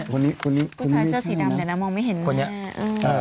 กูใช้เสื้อสีดำแต่น้ำมองไม่เห็นแน่